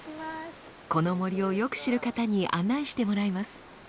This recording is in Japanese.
この森をよく知る方に案内してもらいます。